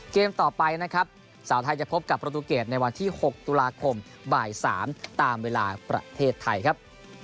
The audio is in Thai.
เกมต่อไปนะครับสาวไทยจะพบกับประตูเกรดในวันที่๖ตุลาคมบ่าย๓ตามเวลาประเทศไทยครับ